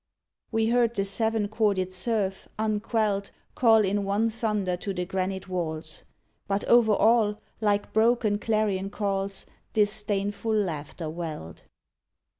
We heard the seven chorded surf, unquelled, Call in one thunder to the granite walls; But over all, like broken clarion calls, Disdainful laughter welled.